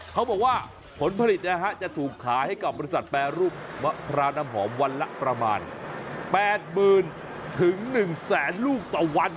เขาบอกว่าผลผลิตจะถูกขายให้กับบริษัทแปรรูปมะพร้าวน้ำหอมวันละประมาณ๘๐๐๐๑แสนลูกต่อวัน